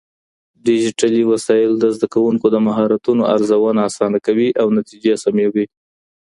ډيجيټلي وسايل د زده کوونکو د مهارتونو ارزونه آسانه کوي او نتيجې سمې کوي.